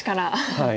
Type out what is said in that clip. はい。